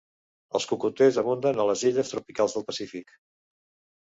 Els cocoters abunden a les illes tropicals del Pacífic.